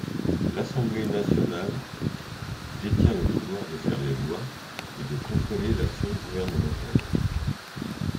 L'Assemblée nationale détient le pouvoir de faire les lois et de contrôler l'action gouvernementale.